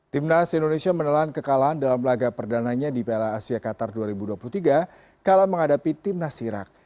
tim nas indonesia menelan kekalahan dalam laga perdananya di pla asia qatar dua ribu dua puluh tiga kalah menghadapi tim nasirak